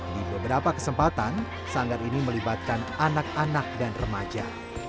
di beberapa kesempatan sanggar ini melibatkan anak anak dan remaja